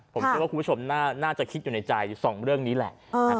ผมคิดว่าคุณผู้ชมน่าจะคิดในใจสองเรื่องนี้แหละ